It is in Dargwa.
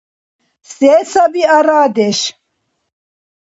Сен саби арадеш?